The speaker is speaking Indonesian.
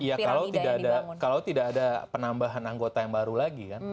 iya kalau tidak ada penambahan anggota yang baru lagi kan